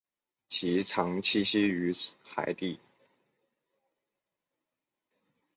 其常栖息于海底。